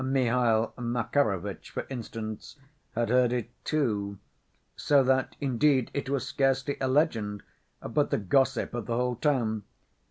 Mihail Makarovitch, for instance, had heard it, too, so that indeed, it was scarcely a legend, but the gossip of the whole town.